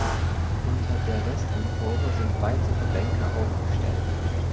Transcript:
Unter der Westempore sind weitere Bänke aufgestellt.